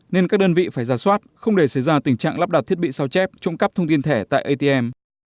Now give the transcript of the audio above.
nên các đơn vị phải ra soát không để xảy ra tình trạng lắp đặt thiết bị sao chép trông cắp thông tin thẻ tại atm